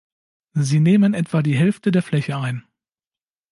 Sie nehmen etwa die Hälfte der Fläche ein.